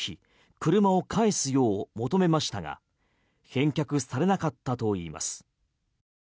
車を返すよう求めましたが返却されなかったといいます。